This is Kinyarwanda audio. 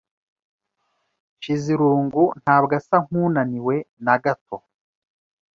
Nshizirungu ntabwo asa nkunaniwe na gato.